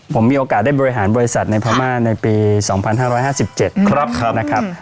ผมมีโอกาสได้บริหารบริษัทในพม่าในปีสองพันห้าร้อยห้าสิบเจ็ดครับครับนะครับ